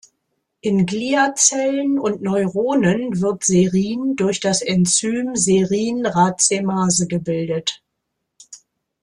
In Gliazellen und Neuronen wird -Serin durch das Enzym Serin-Racemase gebildet.